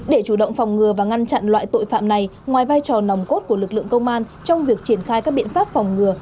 để chủ động phòng ngừa và ngăn chặn loại tội phạm này ngoài vai trò nòng cốt của lực lượng công an trong việc triển khai các biện pháp phòng ngừa